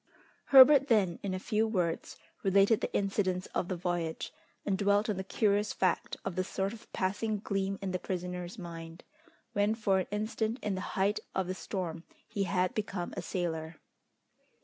Herbert then in a few words related the incidents of the voyage, and dwelt on the curious fact of the sort of passing gleam in the prisoner's mind, when for an instant in the height of the storm he had become a sailor.